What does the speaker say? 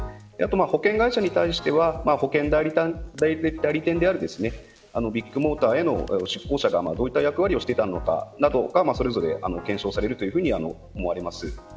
保険会社に対しては保険代理店であるビッグモーターへの出向者がどういった役割をしていくのかそれぞれ検証されると思います。